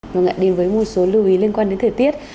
vâng ạ đến với một số lưu ý liên quan đến thời tiết